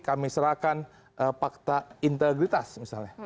kami serahkan fakta integritas misalnya